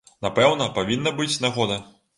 Напэўна, павінна быць нагода.